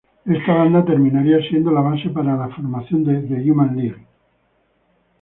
Esta banda terminaría siendo la base para la formación de The Human League.